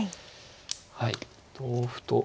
はい同歩と。